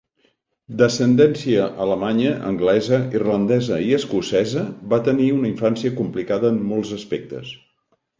D'ascendència alemanya, anglesa, irlandesa i escocesa, va tenir una infància complicada en molts aspectes.